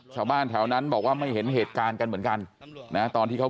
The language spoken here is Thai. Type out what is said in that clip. ชาวบ้านแถวนั้นบอกว่าไม่เห็นเหตุการณ์กันเหมือนกันนะตอนที่เขา